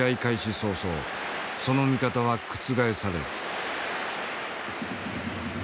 早々その見方は覆される。